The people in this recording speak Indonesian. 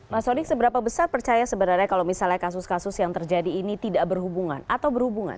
mas sodik seberapa besar percaya sebenarnya kalau misalnya kasus kasus yang terjadi ini tidak berhubungan atau berhubungan